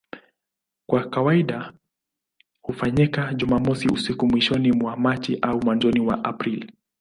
Kwa kawaida hufanyika Jumamosi usiku mwishoni mwa Machi au mwanzoni mwa Aprili.